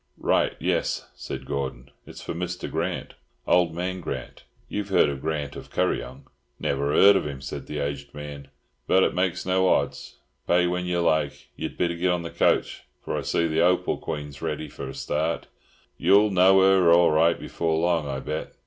"Right, yes," said Gordon. "It's for Mr. Grant, Old Man Grant,—you've heard of Grant of Kuryong?" "Never 'eard of him," said the aged man, "but it makes no hodds. Pay when yer like. Yer'd better git on the coach, for I see the Hopal Queen's ready for a start. Yer'll know her all right before long, I bet.